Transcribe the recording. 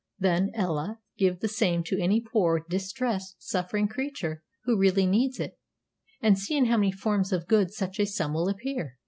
"Then, Ella, give the same to any poor, distressed, suffering creature who really needs it, and see in how many forms of good such a sum will appear.